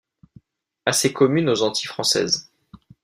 Assez commune aux Antilles françaises.